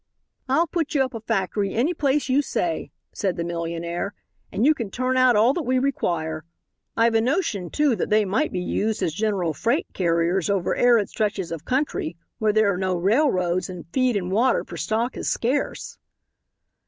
"I'll put you up a factory any place you say," said the millionaire, "and you can turn out all that we require. I've a notion, too, that they might be used as general freight carriers over arid stretches of country where there are no railroads, and feed and water for stock is scarce."